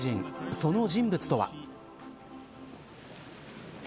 その人物とは。